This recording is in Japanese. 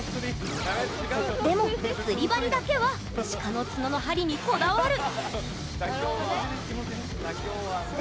でも、釣り針だけは鹿の角の針にこだわる。